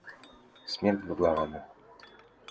Смерть двуглавому!